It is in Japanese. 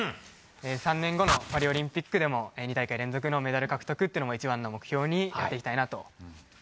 ３年後のパリオリンピックでも２大会連続のメダル獲得を一番の目標にやっていきたいなと。